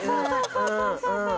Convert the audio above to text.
そうそうそうそう！